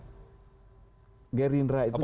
gerindra itu memang harusnya ada di oposisi